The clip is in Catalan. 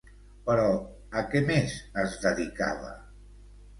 Però, a què més es dedicava?